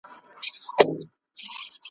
د هغه آثار د ذهني ښکېلاک